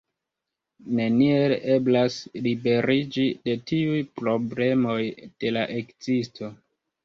Neniel eblas liberiĝi de tiuj problemoj de la ekzisto.